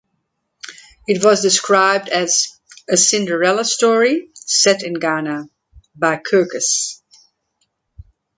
It was described as "A Cinderella story set in Ghana" by "Kirkus".